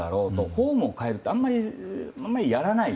フォームを変えるってあまりやらない。